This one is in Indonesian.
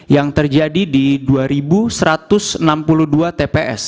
yang terjadi di dua satu ratus enam puluh dua tps